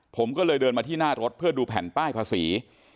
ผมก็เลยเดินมาที่หน้ารถเพื่อดูแผ่นป้ายภาษี